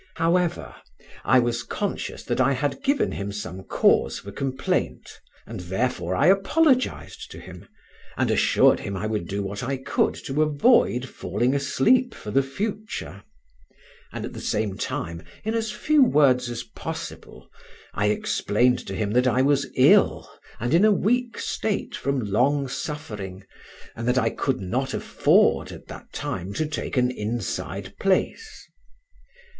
However, I was conscious that I had given him some cause for complaint, and therefore I apologized to him, and assured him I would do what I could to avoid falling asleep for the future; and at the same time, in as few words as possible, I explained to him that I was ill and in a weak state from long suffering, and that I could not afford at that time to take an inside place.